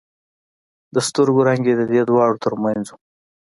د سترګو رنگ يې د دې دواړو تر منځ و.